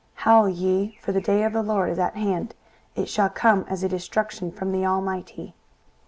23:013:006 Howl ye; for the day of the LORD is at hand; it shall come as a destruction from the Almighty.